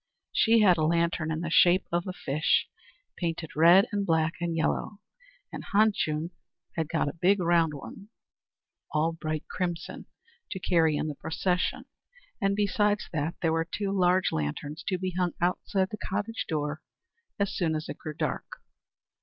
She had a lantern in the shape of a fish, painted red and black and yellow, and Han Chung had got a big round one, all bright crimson, to carry in the procession; and, besides that, there were two large lanterns to be hung outside the cottage door as soon as it grew dark.